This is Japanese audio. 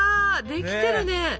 できてるね。